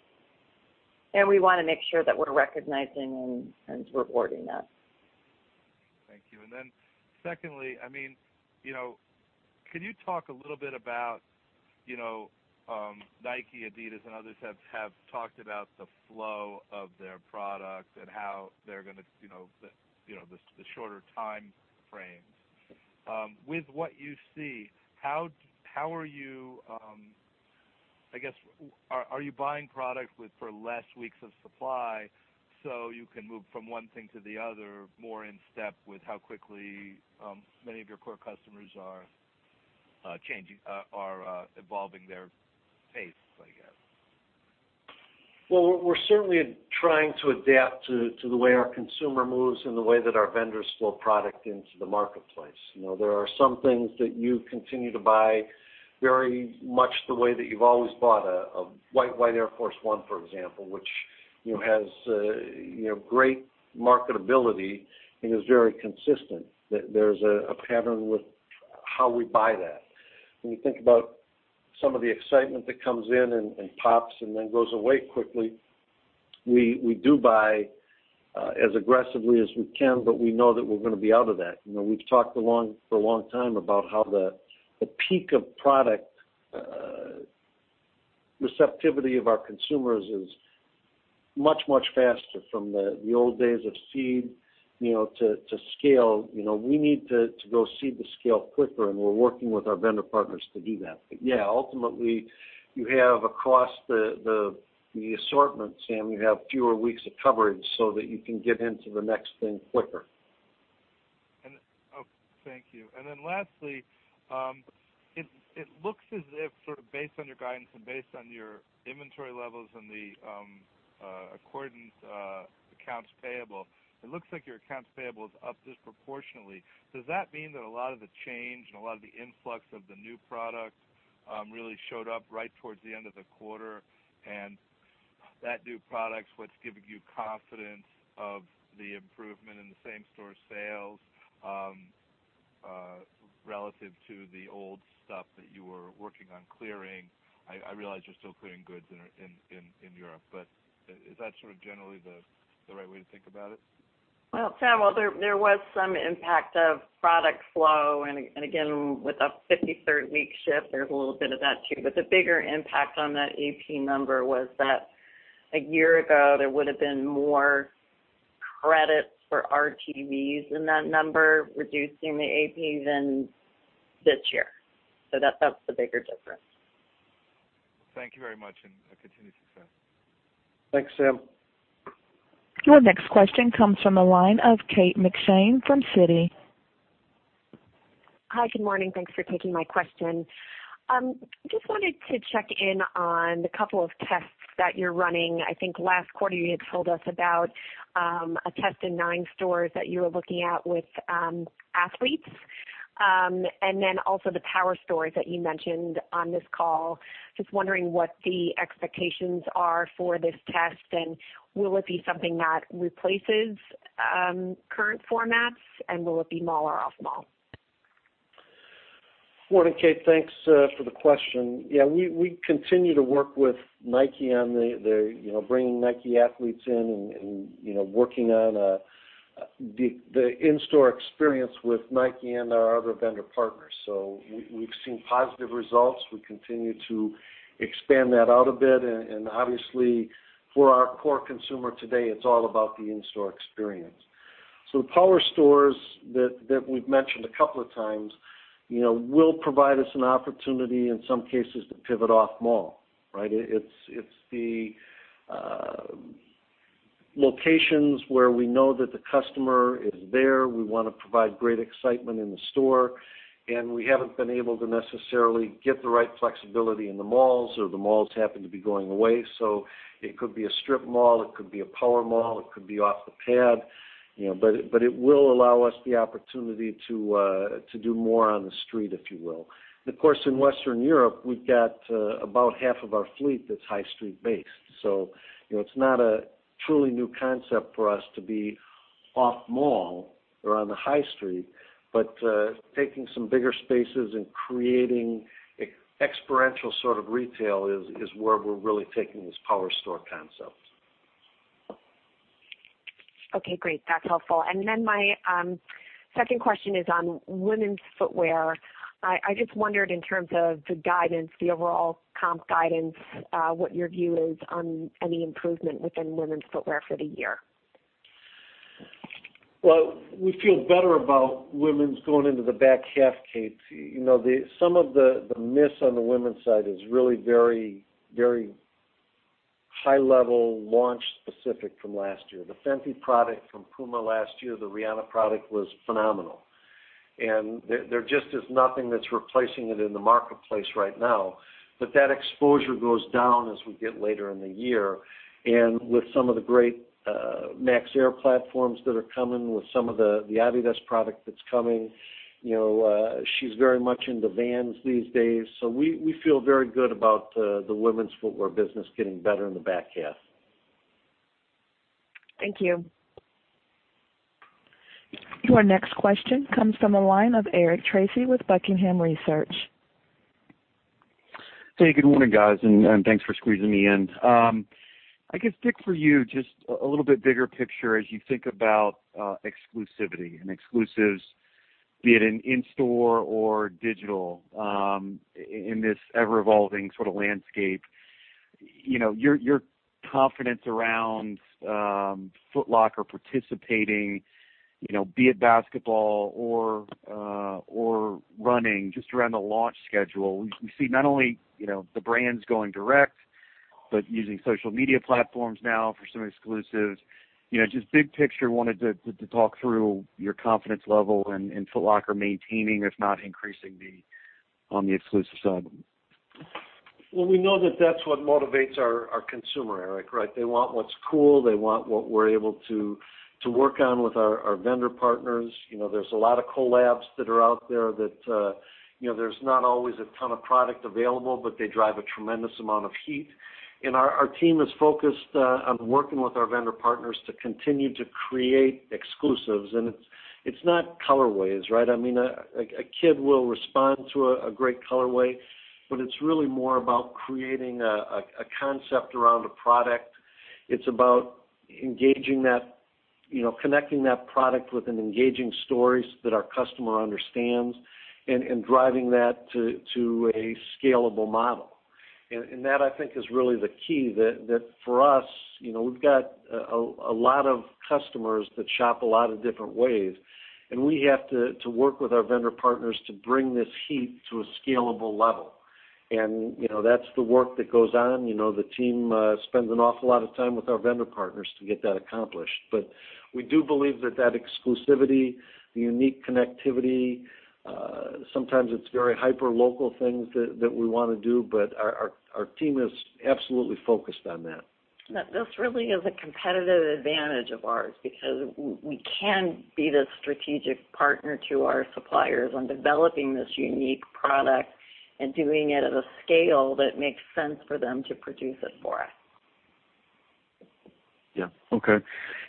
and we want to make sure that we're recognizing and rewarding that. Thank you. Secondly, can you talk a little bit about, Nike, Adidas, and others have talked about the flow of their product and how they're going to the shorter time frames. With what you see, I guess, are you buying product for less weeks of supply so you can move from one thing to the other more in step with how quickly many of your core customers are evolving their pace, I guess? Well, we're certainly trying to adapt to the way our consumer moves and the way that our vendors flow product into the marketplace. There are some things that you continue to buy very much the way that you've always bought. A white Air Force 1, for example, which has great marketability and is very consistent. There's a pattern with how we buy that. When you think about some of the excitement that comes in and pops and then goes away quickly, we do buy as aggressively as we can, but we know that we're going to be out of that. We've talked for a long time about how the peak of product receptivity of our consumers is much, much faster from the old days of seed to scale. We need to go seed to scale quicker, and we're working with our vendor partners to do that. Yeah, ultimately, you have across the assortment, Sam, you have fewer weeks of coverage so that you can get into the next thing quicker. Thank you. Lastly, it looks as if sort of based on your guidance and based on your inventory levels and the accordance accounts payable, it looks like your accounts payable is up disproportionately. Does that mean that a lot of the change and a lot of the influx of the new product really showed up right towards the end of the quarter, and that new product is what's giving you confidence of the improvement in the same-store sales relative to the old stuff that you were working on clearing? I realize you're still clearing goods in Europe, but is that sort of generally the right way to think about it? Well, Sam, there was some impact of product flow, and again, with a 53rd week shift, there's a little bit of that, too. The bigger impact on that AP number was that a year ago, there would have been more credits for RTVs in that number, reducing the AP than this year. That's the bigger difference. Thank you very much. Continued success. Thanks, Sam. Your next question comes from the line of Kate McShane from Citi. Hi. Good morning. Thanks for taking my question. Just wanted to check in on the couple of tests that you're running. I think last quarter you had told us about a test in nine stores that you were looking at with athletes. Also the Power Stores that you mentioned on this call. Just wondering what the expectations are for this test, and will it be something that replaces current formats, and will it be mall or off mall? Morning, Kate. Thanks for the question. Yeah, we continue to work with Nike on bringing Nike athletes in and working on the in-store experience with Nike and our other vendor partners. We've seen positive results. We continue to expand that out a bit. Obviously, for our core consumer today, it's all about the in-store experience. The Power Stores that we've mentioned a couple of times, will provide us an opportunity in some cases to pivot off mall. Right? It's the locations where we know that the customer is there. We want to provide great excitement in the store, and we haven't been able to necessarily get the right flexibility in the malls or the malls happen to be going away. It could be a strip mall, it could be a power mall, it could be off the pad. It will allow us the opportunity to do more on the street, if you will. Of course, in Western Europe, we've got about half of our fleet that's high street based. It's not a truly new concept for us to be off mall or on the high street. Taking some bigger spaces and creating experiential sort of retail is where we're really taking this Power Store concept. Okay, great. That's helpful. My second question is on women's footwear. I just wondered in terms of the guidance, the overall comp guidance, what your view is on any improvement within women's footwear for the year. Well, we feel better about women's going into the back half, Kate. Some of the miss on the women's side is really very high level, launch specific from last year. The FENTY product from Puma last year, the Rihanna product was phenomenal. There just is nothing that's replacing it in the marketplace right now. That exposure goes down as we get later in the year. With some of the great Air Max platforms that are coming, with some of the Adidas product that's coming. She's very much into Vans these days. We feel very good about the women's footwear business getting better in the back half. Thank you. Your next question comes from the line of Eric Tracy with Buckingham Research Group. Hey, good morning, guys, and thanks for squeezing me in. I guess, Dick, for you, just a little bit bigger picture as you think about exclusivity and exclusives, be it in in-store or digital, in this ever-evolving sort of landscape. Your confidence around Foot Locker participating, be it basketball or running, just around the launch schedule. We see not only the brands going direct, but using social media platforms now for some exclusives. Just big picture, wanted to talk through your confidence level in Foot Locker maintaining, if not increasing on the exclusive side. Well, we know that that's what motivates our consumer, Eric, right? They want what's cool. They want what we're able to work on with our vendor partners. There's a lot of collabs that are out there that there's not always a ton of product available, but they drive a tremendous amount of heat. Our team is focused on working with our vendor partners to continue to create exclusives. It's not colorways, right? I mean, a kid will respond to a great colorway, but it's really more about creating a concept around a product. It's about connecting that product with an engaging story so that our customer understands, and driving that to a scalable model. That, I think, is really the key that for us, we've got a lot of customers that shop a lot of different ways, and we have to work with our vendor partners to bring this heat to a scalable level. That's the work that goes on. The team spends an awful lot of time with our vendor partners to get that accomplished. We do believe that that exclusivity, the unique connectivity, sometimes it's very hyper local things that we want to do, but our team is absolutely focused on that. This really is a competitive advantage of ours because we can be the strategic partner to our suppliers on developing this unique product and doing it at a scale that makes sense for them to produce it for us. Yeah. Okay.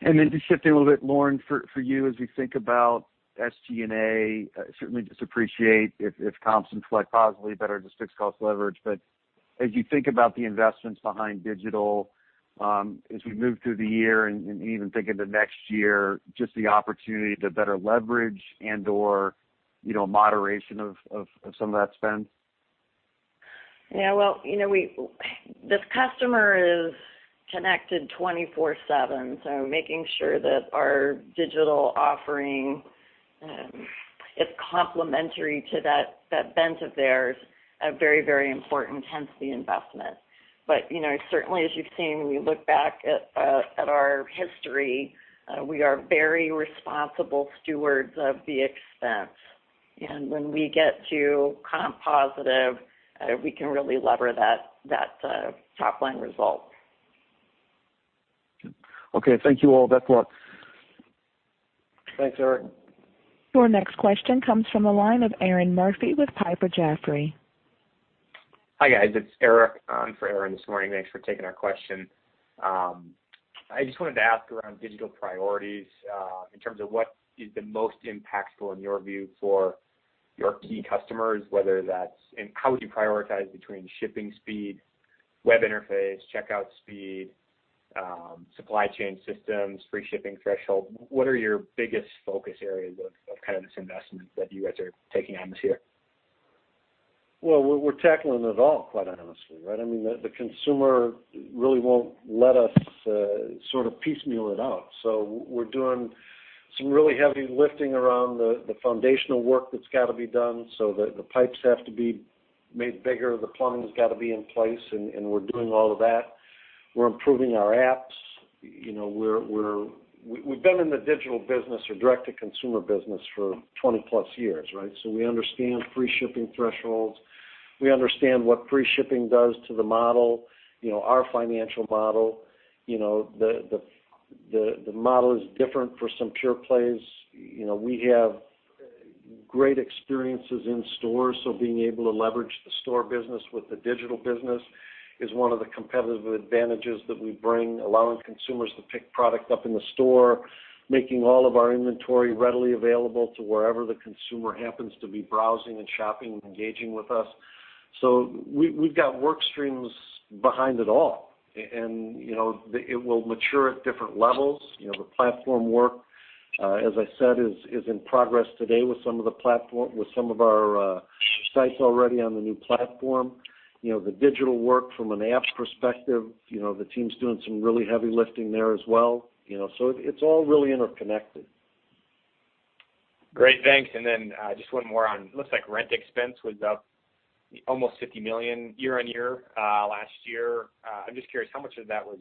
Then just shifting a little bit, Lauren, for you as we think about SG&A, certainly just appreciate if comps reflect positively better to fixed cost leverage. As you think about the investments behind digital, as we move through the year and even think into next year, just the opportunity to better leverage and/or moderation of some of that spend. Yeah. Well, this customer is connected 24/7, so making sure that our digital offering is complementary to that bent of theirs are very, very important, hence the investment. Certainly as you've seen, we look back at our history, we are very responsible stewards of the expense. When we get to comp positive, we can really lever that top-line result. Okay. Thank you all. Best of luck. Thanks, Eric. Your next question comes from the line of Erinn Murphy with Piper Jaffray. Hi, guys. It's Eric on for Erinn this morning. Thanks for taking our question. I just wanted to ask around digital priorities, in terms of what is the most impactful in your view for your key customers, and how would you prioritize between shipping speed, web interface, checkout speed, supply chain systems, free shipping threshold? What are your biggest focus areas of kind of this investment that you guys are taking on this year? We're tackling it all, quite honestly, right? I mean, the consumer really won't let us sort of piecemeal it out. We're doing some really heavy lifting around the foundational work that's got to be done. The pipes have to be made bigger, the plumbing's got to be in place, and we're doing all of that. We're improving our apps. We've been in the digital business or direct-to-consumer business for 20-plus years, right? We understand free shipping thresholds. We understand what free shipping does to the model, our financial model. The model is different for some pure plays. We have great experiences in stores. Being able to leverage the store business with the digital business is one of the competitive advantages that we bring, allowing consumers to pick product up in the store, making all of our inventory readily available to wherever the consumer happens to be browsing and shopping and engaging with us. We've got work streams behind it all, and it will mature at different levels. The platform work, as I said, is in progress today with some of our sites already on the new platform. The digital work from an apps perspective, the team's doing some really heavy lifting there as well. It's all really interconnected. Great, thanks. Just one more on looks like rent expense was up almost $50 million year-over-year, last year. I'm just curious how much of that was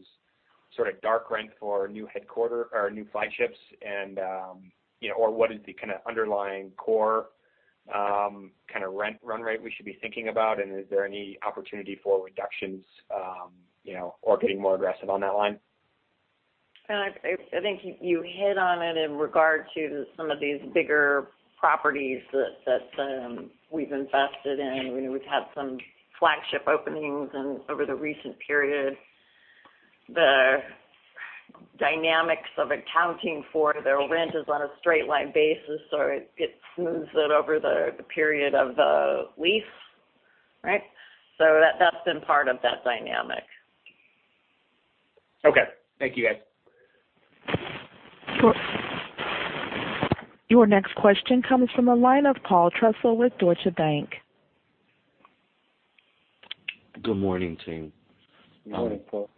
sort of dark rent for new headquarter or new flagships and or what is the kind of underlying core rent run rate we should be thinking about, and is there any opportunity for reductions or getting more aggressive on that line? I think you hit on it in regard to some of these bigger properties that we've invested in. We've had some flagship openings over the recent period. The dynamics of accounting for their rent is on a straight line basis, it smooths it over the period of the lease. Right. That's been part of that dynamic. Okay. Thank you, guys. Your next question comes from the line of Paul Trussell with Deutsche Bank. Good morning, team. Good morning, Paul.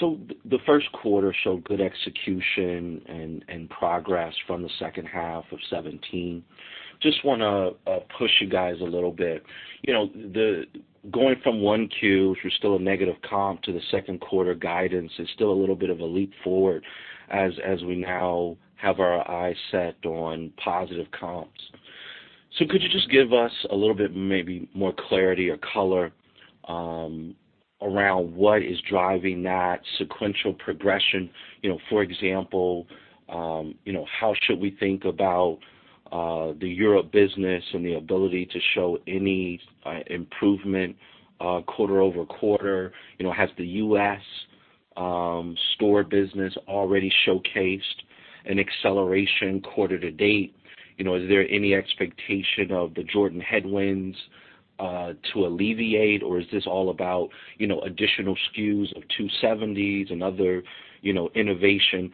The first quarter showed good execution and progress from the second half of 2017. Just want to push you guys a little bit. Going from 1Q, which we're still a negative comp, to the second quarter guidance is still a little bit of a leap forward as we now have our eyes set on positive comps. Could you just give us a little bit, maybe more clarity or color around what is driving that sequential progression? For example, how should we think about the Europe business and the ability to show any improvement quarter-over-quarter? Has the U.S. store business already showcased an acceleration quarter to date? Is there any expectation of the Jordan headwinds to alleviate, or is this all about additional SKUs of 270s and other innovation?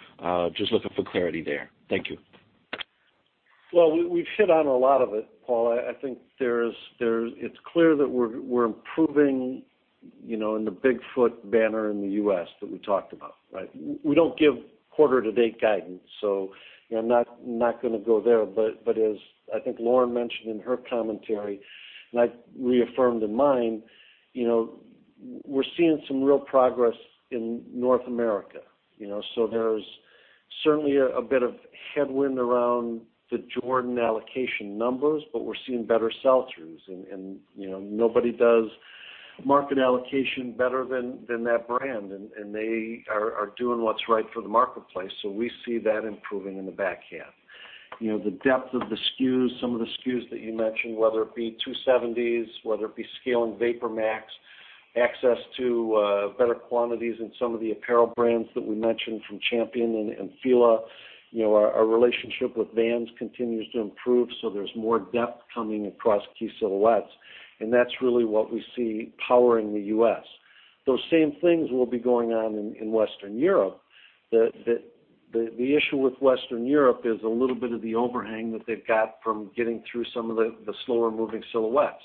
Just looking for clarity there. Thank you. Well, we've hit on a lot of it, Paul. I think it's clear that we're improving in the big Foot Locker banner in the U.S. that we talked about, right? We don't give quarter to date guidance, so I'm not going to go there. As I think Lauren mentioned in her commentary, and I reaffirmed in mine, we're seeing some real progress in North America. There's certainly a bit of headwind around the Jordan allocation numbers, but we're seeing better sell-throughs and nobody does market allocation better than that brand, and they are doing what's right for the marketplace. We see that improving in the back half. The depth of the SKUs, some of the SKUs that you mentioned, whether it be 270s, whether it be scaling VaporMax, access to better quantities in some of the apparel brands that we mentioned from Champion and Fila. Our relationship with Vans continues to improve, there's more depth coming across key silhouettes, and that's really what we see powering the U.S. Those same things will be going on in Western Europe. The issue with Western Europe is a little bit of the overhang that they've got from getting through some of the slower moving silhouettes.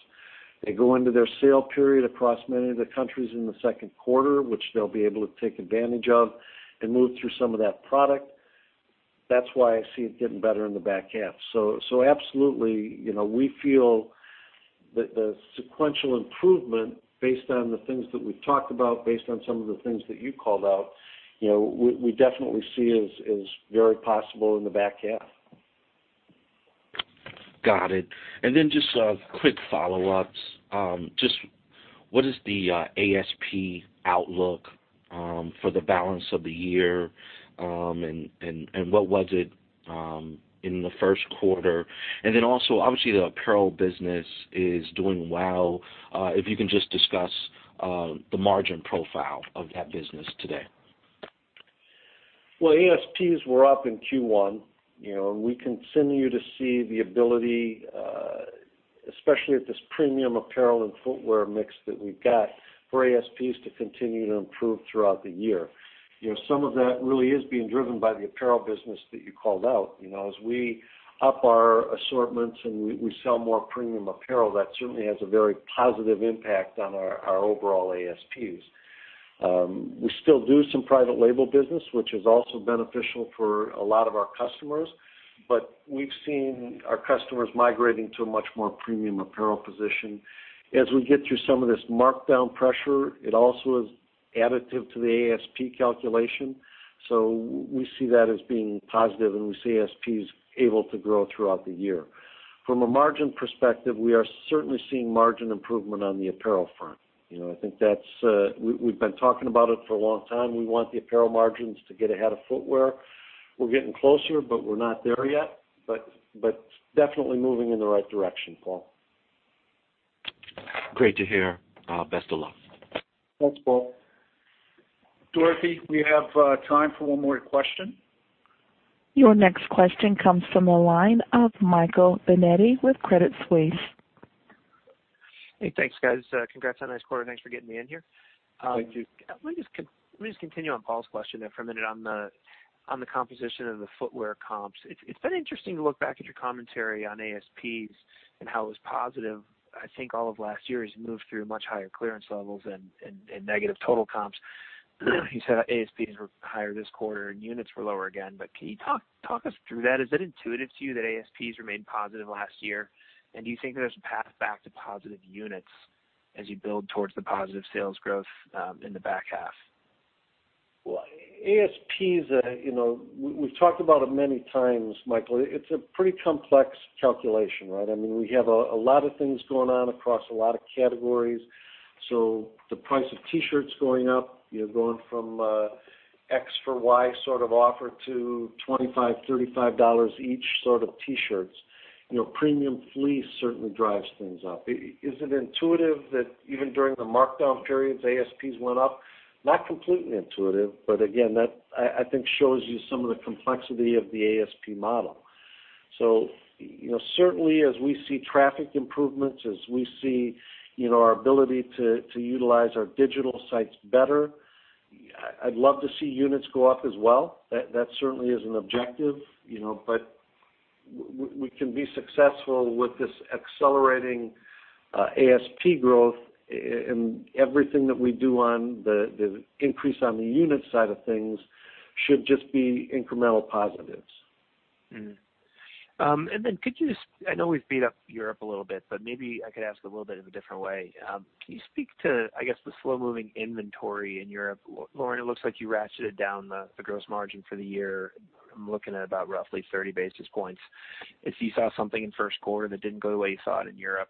They go into their sale period across many of the countries in the second quarter, which they'll be able to take advantage of and move through some of that product. That's why I see it getting better in the back half. Absolutely, we feel that the sequential improvement based on the things that we've talked about, based on some of the things that you called out, we definitely see as very possible in the back half. Got it. Just quick follow-ups. Just what is the ASP outlook for the balance of the year, and what was it in the first quarter? Also, obviously the apparel business is doing well. If you can just discuss the margin profile of that business today. ASPs were up in Q1. We continue to see the ability, especially at this premium apparel and footwear mix that we've got for ASPs to continue to improve throughout the year. Some of that really is being driven by the apparel business that you called out. As we up our assortments and we sell more premium apparel, that certainly has a very positive impact on our overall ASPs. We still do some private label business, which is also beneficial for a lot of our customers, but we've seen our customers migrating to a much more premium apparel position. As we get through some of this markdown pressure, it also is additive to the ASP calculation. We see that as being positive, and we see ASPs able to grow throughout the year. From a margin perspective, we are certainly seeing margin improvement on the apparel front. We've been talking about it for a long time. We want the apparel margins to get ahead of footwear. We're getting closer, but we're not there yet. Definitely moving in the right direction, Paul. Great to hear. Best of luck. Thanks, Paul. Dorothy, we have time for one more question. Your next question comes from the line of Michael Binetti with Credit Suisse. Hey, thanks guys. Congrats on a nice quarter. Thanks for getting me in here. Thank you. Let me just continue on Paul's question there for a minute on the composition of the footwear comps. It's been interesting to look back at your commentary on ASPs and how it was positive. I think all of last year has moved through much higher clearance levels and negative total comps. You said ASPs were higher this quarter and units were lower again. Can you talk us through that? Is that intuitive to you that ASPs remained positive last year? Do you think there's a path back to positive units as you build towards the positive sales growth in the back half? ASPs, we've talked about it many times, Michael. It's a pretty complex calculation. We have a lot of things going on across a lot of categories. The price of T-shirts going up, you're going from an X for Y sort of offer to $25, $35 each sort of T-shirts. Premium fleece certainly drives things up. Is it intuitive that even during the markdown periods, ASPs went up? Not completely intuitive, that I think shows you some of the complexity of the ASP model. Certainly as we see traffic improvements, as we see our ability to utilize our digital sites better, I'd love to see units go up as well. That certainly is an objective. We can be successful with this accelerating ASP growth and everything that we do on the increase on the unit side of things should just be incremental positives. Could you just I know we've beat up Foot Locker Europe a little bit, maybe I could ask a little bit of a different way. Can you speak to, I guess, the slow-moving inventory in Foot Locker Europe? Lauren, it looks like you ratcheted down the gross margin for the year. I'm looking at about roughly 30 basis points. If you saw something in the first quarter that didn't go the way you thought in Foot Locker Europe,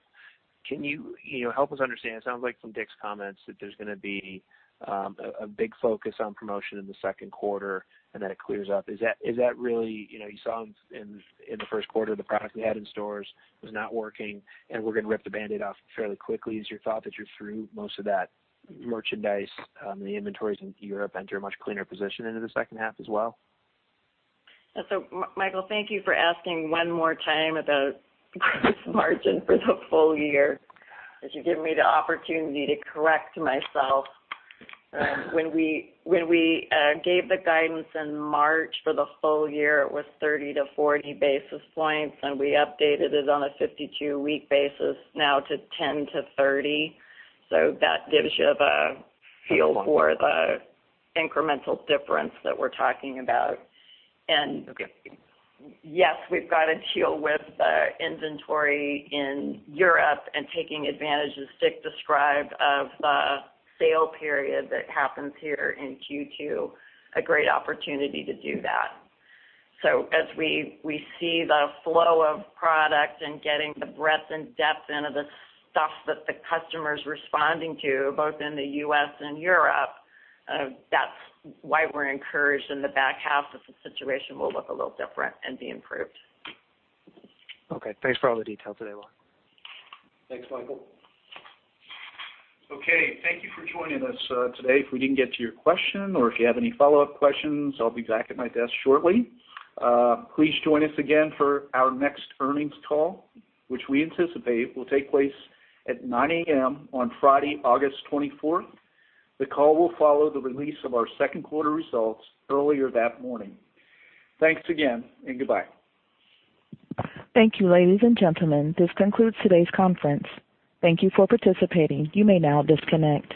can you help us understand? It sounds like from Dick Johnson's comments that there's going to be a big focus on promotion in the second quarter, it clears up. Is that really, you saw in the first quarter the product they had in stores was not working, we're going to rip the Band-Aid off fairly quickly. Is your thought that you're through most of that merchandise and the inventories in Foot Locker Europe enter a much cleaner position into the second half as well? Michael, thank you for asking one more time about gross margin for the full year, as you give me the opportunity to correct myself. When we gave the guidance in March for the whole year, it was 30 to 40 basis points, we updated it on a 52-week basis now to 10 to 30. That gives you the feel for the incremental difference that we're talking about. Okay. Yes, we've got to deal with the inventory in Europe and taking advantage, as Dick described, of the sale period that happens here in Q2. A great opportunity to do that. As we see the flow of product and getting the breadth and depth into the stuff that the customer's responding to, both in the U.S. and Europe, that's why we're encouraged in the back half that the situation will look a little different and be improved. Okay. Thanks for all the details today, Lauren. Thanks, Michael. Okay, thank you for joining us today. If we didn't get to your question or if you have any follow-up questions, I'll be back at my desk shortly. Please join us again for our next earnings call, which we anticipate will take place at 9:00 A.M. on Friday, August 24th. The call will follow the release of our second quarter results earlier that morning. Thanks again, and goodbye. Thank you, ladies and gentlemen. This concludes today's conference. Thank you for participating. You may now disconnect.